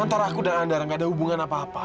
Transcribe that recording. antara aku dan andara gak ada hubungan apa apa